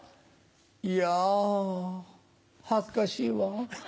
いやん恥ずかしいわ。